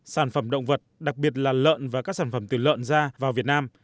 sản phẩm động vật đặc biệt là lợn và các sản phẩm từ lợn ra vào việt nam